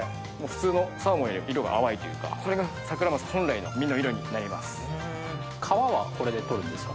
普通のサーモンより色が淡いというかこれがサクラマス本来の身の色になります。